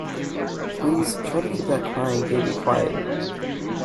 Please try to keep that crying baby quiet